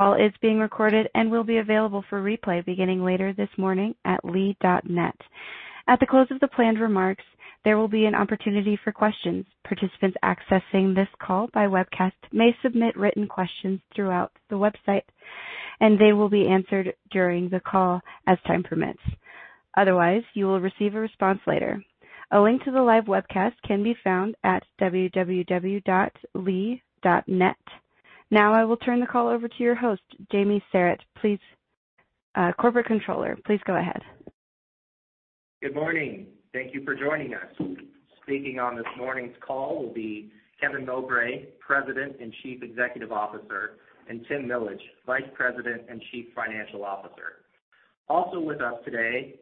Call is being recorded and will be available for replay beginning later this morning at lee.net. At the close of the planned remarks, there will be an opportunity for questions. Participants accessing this call by webcast may submit written questions throughout the website, and they will be answered during the call as time permits. Otherwise, you will receive a response later. A link to the live webcast can be found at www.lee.net. Now I will turn the call over to your host, Jamie Sarrett, Corporate Controller. Please go ahead. Good morning. Thank you for joining us. Speaking on this morning's call will be Kevin Mowbray, President and Chief Executive Officer, and Tim Millage, Vice President and Chief Financial Officer. Also with us today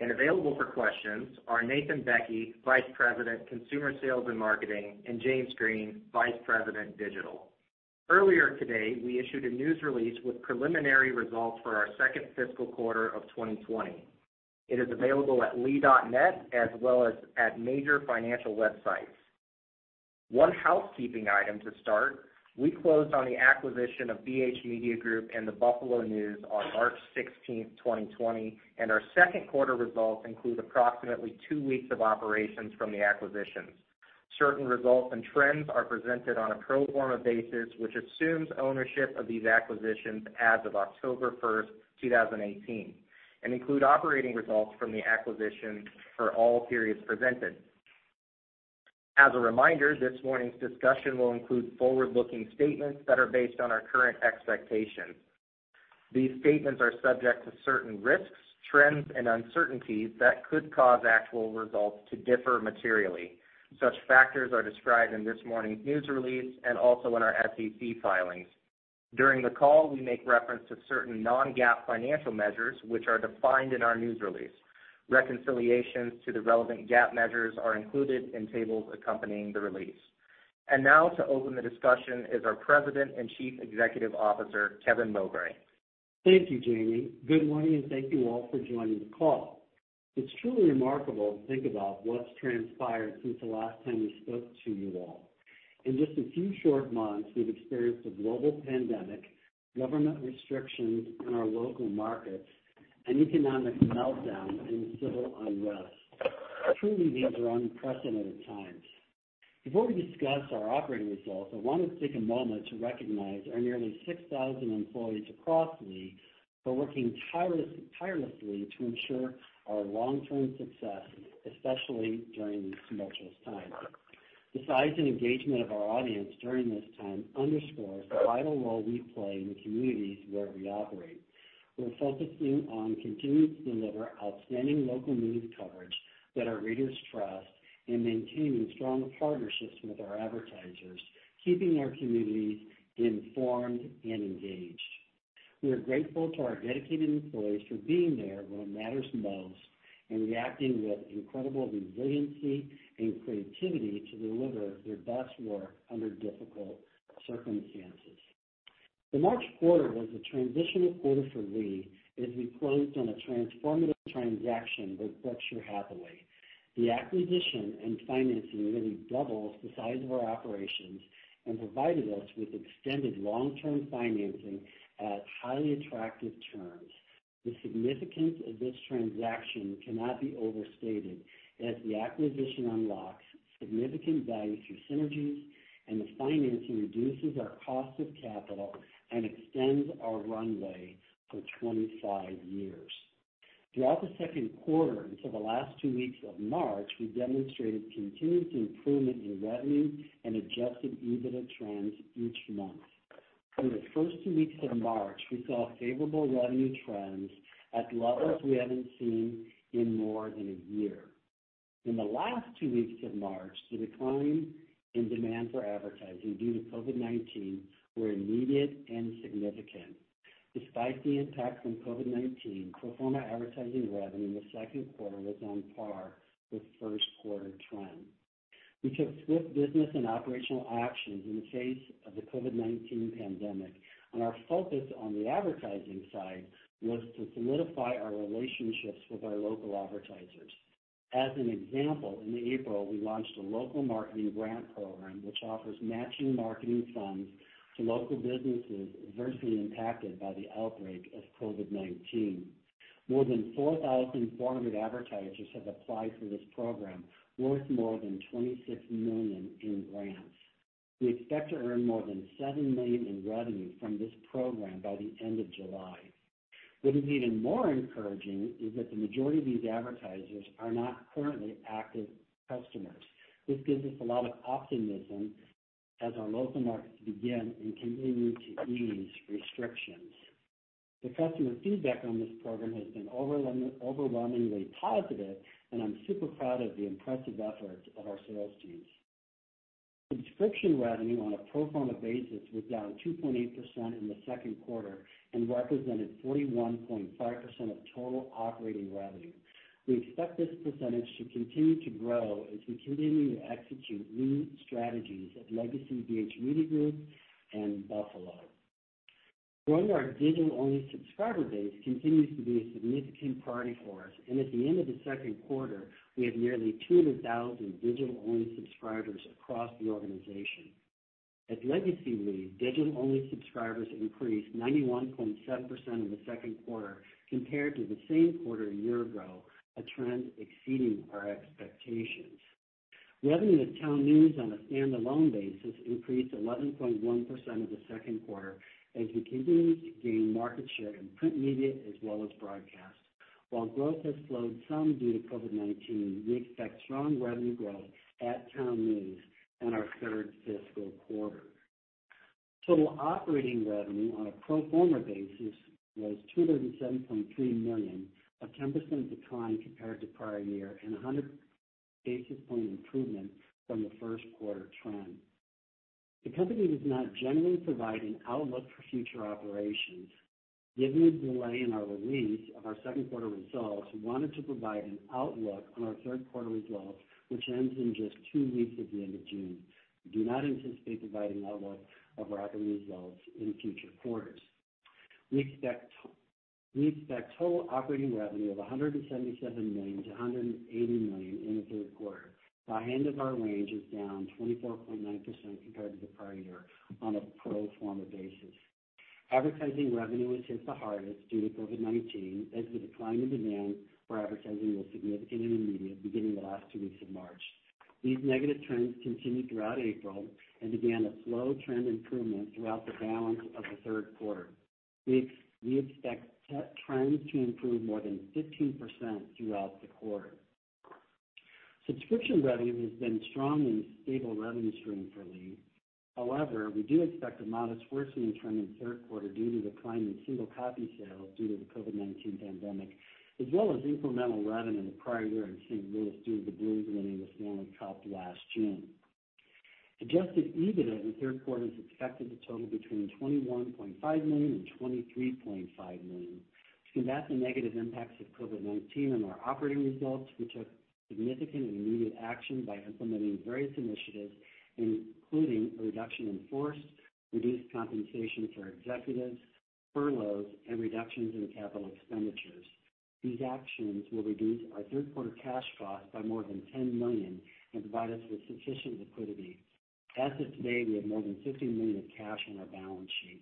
and available for questions are Nathan Bekke, Vice President, Consumer Sales and Marketing, and James Green, Vice President, Digital. Earlier today, we issued a news release with preliminary results for our second fiscal quarter of 2020. It is available at lee.net as well as at major financial websites. One housekeeping item to start, we closed on the acquisition of BH Media Group and the Buffalo News on March 16th, 2020, and our second quarter results include approximately two weeks of operations from the acquisitions. Certain results and trends are presented on a pro forma basis, which assumes ownership of these acquisitions as of October 1st, 2018, and include operating results from the acquisition for all periods presented. As a reminder, this morning's discussion will include forward-looking statements that are based on our current expectations. These statements are subject to certain risks, trends, and uncertainties that could cause actual results to differ materially. Such factors are described in this morning's news release and also in our SEC filings. During the call, we make reference to certain non-GAAP financial measures which are defined in our news release. Reconciliations to the relevant GAAP measures are included in tables accompanying the release. Now to open the discussion is our President and Chief Executive Officer, Kevin Mowbray. Thank you, Jamie. Good morning and thank you all for joining the call. It's truly remarkable to think about what's transpired since the last time we spoke to you all. In just a few short months, we've experienced a global pandemic, government restrictions in our local markets, an economic meltdown, and civil unrest. Truly, these are unprecedented times. Before we discuss our operating results, I want to take a moment to recognize our nearly 6,000 employees across Lee who are working tirelessly to ensure our long-term success, especially during these tumultuous times. The size and engagement of our audience during this time underscores the vital role we play in the communities where we operate. We're focusing on continuing to deliver outstanding local news coverage that our readers trust and maintaining strong partnerships with our advertisers, keeping our communities informed and engaged. We are grateful to our dedicated employees for being there when it matters most and reacting with incredible resiliency and creativity to deliver their best work under difficult circumstances. The March quarter was a transitional quarter for Lee, as we closed on a transformative transaction with Berkshire Hathaway. The acquisition and financing really doubles the size of our operations and provided us with extended long-term financing at highly attractive terms. The significance of this transaction cannot be overstated, as the acquisition unlocks significant value through synergies, and the financing reduces our cost of capital and extends our runway for 25 years. Throughout the second quarter, until the last two weeks of March, we demonstrated continued improvement in revenue and adjusted EBITDA trends each month. Through the first two weeks of March, we saw favorable revenue trends at levels we haven't seen in more than a year. In the last two weeks of March, the decline in demand for advertising due to COVID-19 was immediate and significant. Despite the impact from COVID-19, pro forma advertising revenue in the second quarter was on par with first quarter trends. We took swift business and operational actions in the face of the COVID-19 pandemic, and our focus on the advertising side was to solidify our relationships with our local advertisers. As an example, in April, we launched a Local Marketing Grant Program which offers matching marketing funds to local businesses adversely impacted by the outbreak of COVID-19. More than 4,400 advertisers have applied for this program, worth more than $26 million in grants. We expect to earn more than $7 million in revenue from this program by the end of July. What is even more encouraging is that the majority of these advertisers are not currently active customers. This gives us a lot of optimism as our local markets begin and continue to ease restrictions. The customer feedback on this program has been overwhelmingly positive, and I'm super proud of the impressive effort of our sales teams. Subscription revenue on a pro forma basis was down 2.8% in the second quarter and represented 41.5% of total operating revenue. We expect this percentage to continue to grow as we continue to execute new strategies at Legacy BH Media Group and Buffalo. Growing our digital-only subscriber base continues to be a significant priority for us, and at the end of the second quarter, we had nearly 200,000 digital-only subscribers across the organization. At Legacy Lee, digital-only subscribers increased 91.7% in the second quarter compared to the same quarter a year ago, a trend exceeding our expectations. Revenue at TownNews on a standalone basis increased 11.1% in the second quarter and continues to gain market share in print media as well as broadcast. While growth has slowed some due to COVID-19, we expect strong revenue growth at TownNews in our third fiscal quarter. Total operating revenue on a pro forma basis was $207.3 million, a 10% decline compared to prior year and 100 basis points improvement from the first quarter trend. The company does not generally provide an outlook for future operations. Given the delay in our release of our second quarter results, we wanted to provide an outlook on our third quarter results, which ends in just two weeks at the end of June. We do not anticipate providing outlook of our earnings results in future quarters. We expect total operating revenue of $177 million-$180 million in the third quarter. The high end of our range is down 24.9% compared to the prior year on a pro forma basis. Advertising revenue was hit the hardest due to COVID-19 as the decline in demand for advertising was significant and immediate beginning the last two weeks of March. These negative trends continued throughout April and began a slow trend improvement throughout the balance of the third quarter. We expect trends to improve more than 15% throughout the quarter. Subscription revenue has been a strong and stable revenue stream for Lee. We do expect a modest worsening trend in the third quarter due to decline in single copy sales due to the COVID-19 pandemic, as well as incremental revenue in the prior year in St. Louis due to the Blues winning the Stanley Cup last June. Adjusted EBITDA in the third quarter is expected to total between $21.5 million and $23.5 million. To combat the negative impacts of COVID-19 on our operating results, we took significant and immediate action by implementing various initiatives, including a reduction in force, reduced compensation for executives, furloughs, and reductions in capital expenditures. These actions will reduce our third quarter cash cost by more than $10 million and provide us with sufficient liquidity. As of today, we have more than $50 million of cash on our balance sheet.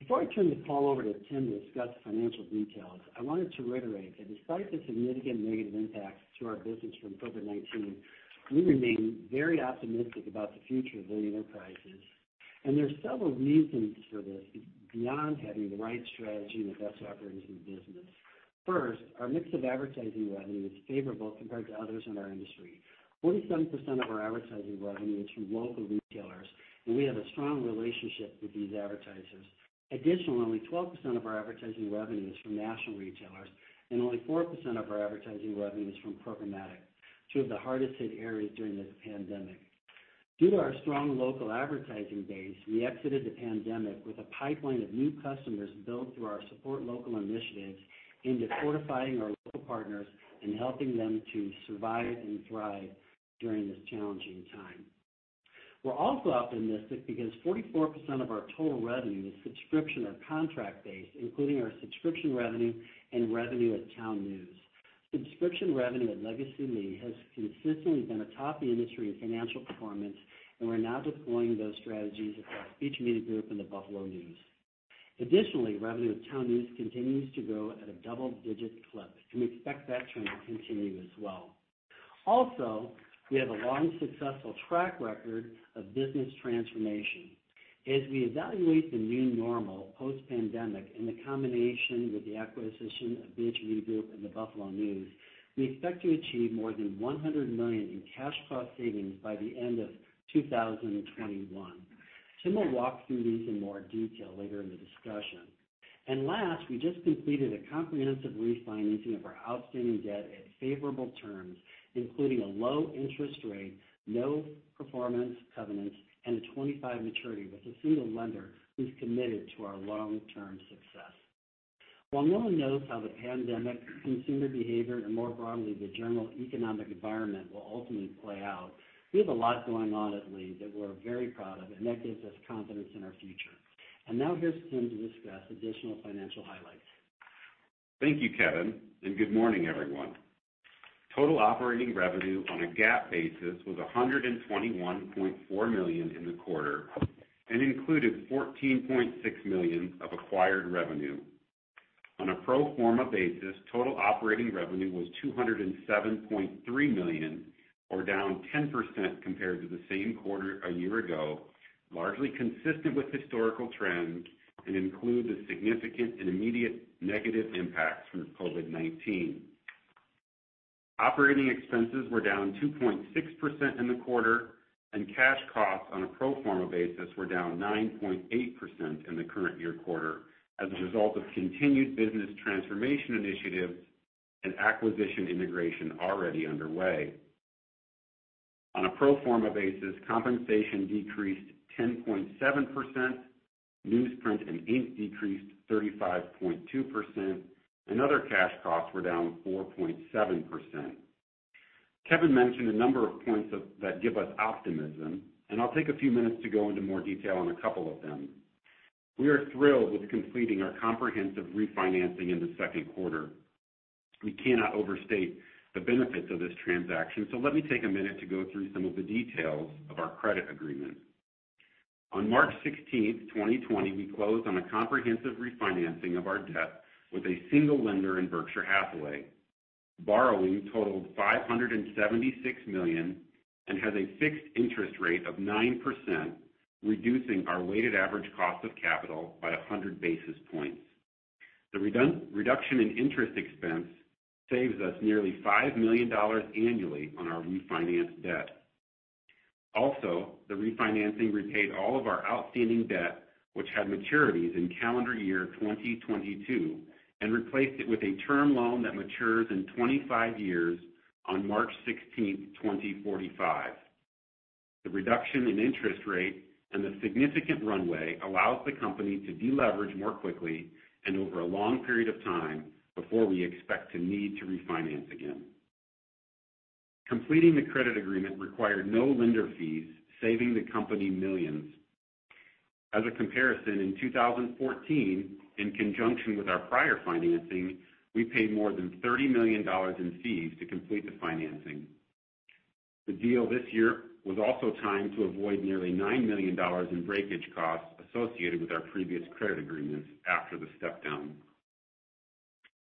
Before I turn the call over to Tim to discuss the financial details, I wanted to reiterate that despite the significant negative impacts to our business from COVID-19, we remain very optimistic about the future of Lee Enterprises, and there are several reasons for this beyond having the right strategy and the best operating business. First, our mix of advertising revenue is favorable compared to others in our industry. 47% of our advertising revenue is from local retailers, and we have a strong relationship with these advertisers. Additionally, 12% of our advertising revenue is from national retailers and only 4% of our advertising revenue is from programmatic, two of the hardest hit areas during this pandemic. Due to our strong local advertising base, we exited the pandemic with a pipeline of new customers built through our Support Local initiatives aimed at fortifying our local partners and helping them to survive and thrive during this challenging time. We're also optimistic because 44% of our total revenue is subscription or contract-based, including our subscription revenue and revenue at TownNews. Subscription revenue at Legacy Lee has consistently been atop the industry in financial performance, and we're now deploying those strategies across BH Media Group and the Buffalo News. Additionally, revenue at TownNews continues to grow at a double-digit clip, and we expect that trend to continue as well. We have a long successful track record of business transformation. As we evaluate the new normal post-pandemic in the combination with the acquisition of BH Media Group and the Buffalo News, we expect to achieve more than $100 million in cash cost savings by the end of 2021. Tim will walk through these in more detail later in the discussion. Last, we just completed a comprehensive refinancing of our outstanding debt at favorable terms, including a low interest rate, no performance covenants, and a 25 maturity with a single lender who's committed to our long-term success. While no one knows how the pandemic, consumer behavior, and more broadly, the general economic environment will ultimately play out, we have a lot going on at Lee that we're very proud of, and that gives us confidence in our future. Now here's Tim to discuss additional financial highlights. Thank you, Kevin, and good morning, everyone. Total operating revenue on a GAAP basis was $121.4 million in the quarter and included $14.6 million of acquired revenue. On a pro forma basis, total operating revenue was $207.3 million, or down 10% compared to the same quarter a year ago, largely consistent with historical trends and include the significant and immediate negative impacts from COVID-19. Operating expenses were down 2.6% in the quarter, and cash costs on a pro forma basis were down 9.8% in the current year quarter as a result of continued business transformation initiatives and acquisition integration already underway. On a pro forma basis, compensation decreased 10.7%, newsprint and ink decreased 35.2%, and other cash costs were down 4.7%. Kevin mentioned a number of points that give us optimism, and I'll take a few minutes to go into more detail on a couple of them. We are thrilled with completing our comprehensive refinancing in the second quarter. We cannot overstate the benefits of this transaction. Let me take a minute to go through some of the details of our credit agreement. On March 16th, 2020, we closed on a comprehensive refinancing of our debt with a single lender in Berkshire Hathaway. Borrowing totaled $576 million and has a fixed interest rate of 9%, reducing our weighted average cost of capital by 100 basis points. The reduction in interest expense saves us nearly $5 million annually on our refinanced debt. Also, the refinancing repaid all of our outstanding debt, which had maturities in calendar year 2022, and replaced it with a term loan that matures in 25 years on March 16th, 2045. The reduction in interest rate and the significant runway allows the company to deleverage more quickly and over a long period of time before we expect to need to refinance again. Completing the credit agreement required no lender fees, saving the company millions. As a comparison, in 2014, in conjunction with our prior financing, we paid more than $30 million in fees to complete the financing. The deal this year was also timed to avoid nearly $90 million in breakage costs associated with our previous credit agreements after the step down.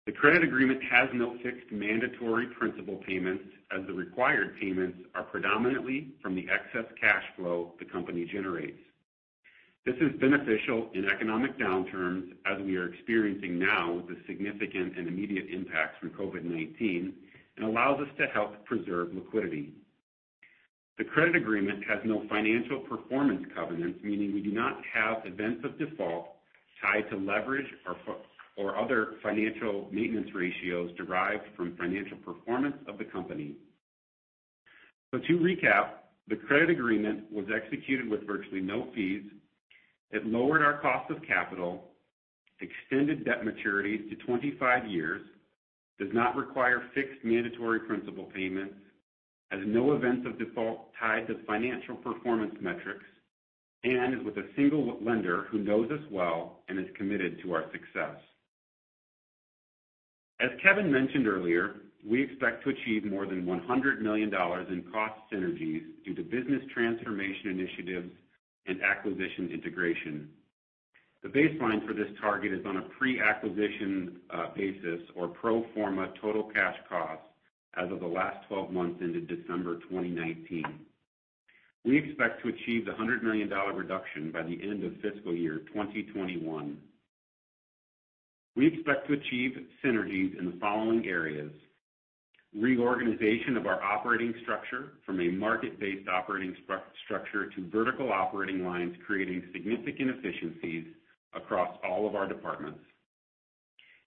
The credit agreement has no fixed mandatory principal payments, as the required payments are predominantly from the excess cash flow the company generates. This is beneficial in economic downturns as we are experiencing now with the significant and immediate impacts from COVID-19, and allows us to help preserve liquidity. The credit agreement has no financial performance covenants, meaning we do not have events of default tied to leverage or other financial maintenance ratios derived from financial performance of the company. To recap, the credit agreement was executed with virtually no fees. It lowered our cost of capital, extended debt maturities to 25 years, does not require fixed mandatory principal payments, has no events of default tied to financial performance metrics, and with a single lender who knows us well and is committed to our success. As Kevin mentioned earlier, we expect to achieve more than $100 million in cost synergies due to business transformation initiatives and acquisition integration. The baseline for this target is on a pre-acquisition basis or pro forma total cash costs as of the last 12 months ended December 2019. We expect to achieve the $100 million reduction by the end of fiscal year 2021. We expect to achieve synergies in the following areas: Reorganization of our operating structure from a market-based operating structure to vertical operating lines, creating significant efficiencies across all of our departments.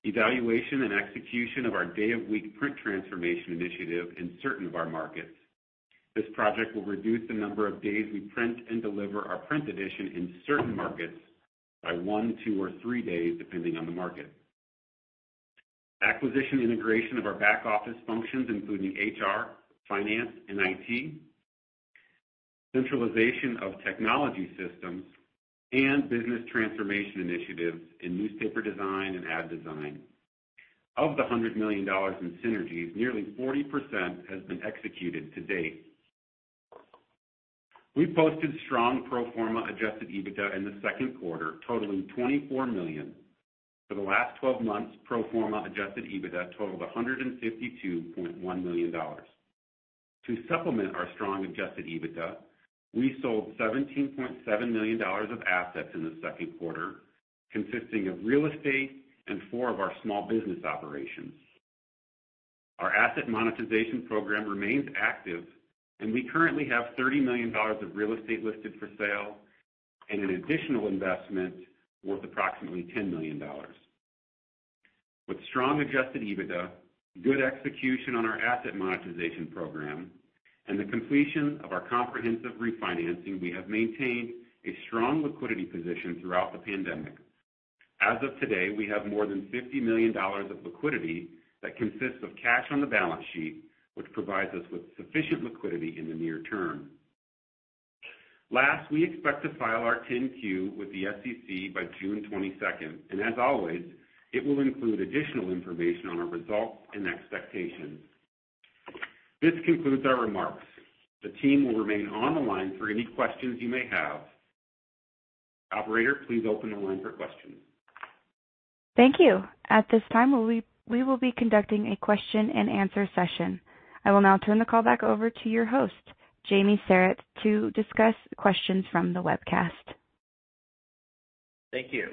Evaluation and execution of our day-of-week print transformation initiative in certain of our markets. This project will reduce the number of days we print and deliver our print edition in certain markets by one, two, or three days, depending on the market. Acquisition integration of our back office functions, including HR, finance, and IT, centralization of technology systems, and business transformation initiatives in newspaper design and ad design. Of the $100 million in synergies, nearly 40% has been executed to date. We posted strong pro forma adjusted EBITDA in the second quarter, totaling $24 million. For the last 12 months, pro forma adjusted EBITDA totaled $152.1 million. To supplement our strong adjusted EBITDA, we sold $17.7 million of assets in the second quarter, consisting of real estate and four of our small business operations. Our asset monetization program remains active, and we currently have $30 million of real estate listed for sale and an additional investment worth approximately $10 million. With strong adjusted EBITDA, good execution on our asset monetization program, and the completion of our comprehensive refinancing, we have maintained a strong liquidity position throughout the pandemic. As of today, we have more than $50 million of liquidity that consists of cash on the balance sheet, which provides us with sufficient liquidity in the near term. Last, we expect to file our 10-Q with the SEC by June 22nd, and as always, it will include additional information on our results and expectations. This concludes our remarks. The team will remain on the line for any questions you may have. Operator, please open the line for questions. Thank you. At this time, we will be conducting a question and answer session. I will now turn the call back over to your host, Jamie Sarrett, to discuss questions from the webcast. Thank you.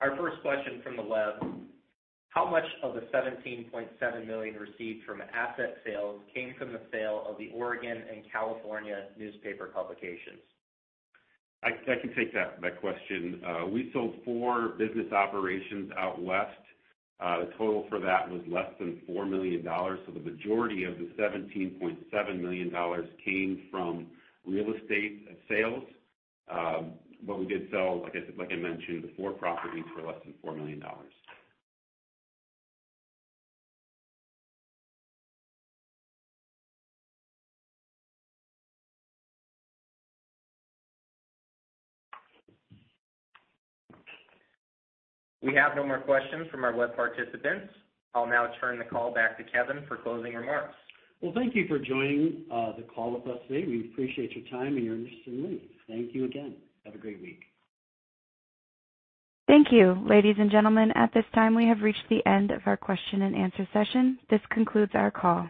Our first question from the web, how much of the $17.7 million received from asset sales came from the sale of the Oregon and California newspaper publications? I can take that question. We sold four business operations out west. The total for that was less than $4 million. The majority of the $17.7 million came from real estate sales. We did sell, like I mentioned, the four properties for less than $4 million. We have no more questions from our web participants. I'll now turn the call back to Kevin for closing remarks. Well, thank you for joining the call with us today. We appreciate your time and your interest in Lee. Thank you again. Have a great week. Thank you. Ladies and gentlemen, at this time, we have reached the end of our question and answer session. This concludes our call.